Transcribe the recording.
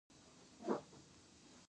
تالابونه د افغانانو د ګټورتیا برخه ده.